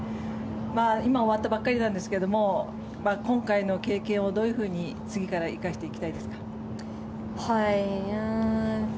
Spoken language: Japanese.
今終わったばかりなんですが今回の経験を、どういうふうに次から生かしていきたいですか？